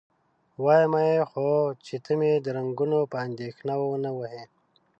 وایمه یې، خو چې ته مې د رنګونو په اندېښنه و نه وهې؟